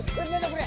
これ。